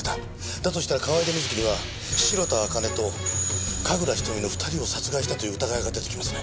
だとしたら河井田瑞希には白田朱音と神楽瞳の２人を殺害したという疑いが出てきますね。